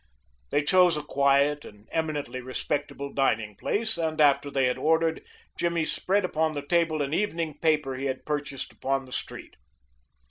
They chose a quiet and eminently respectable dining place, and after they had ordered, Jimmy spread upon the table an evening paper he had purchased upon the street.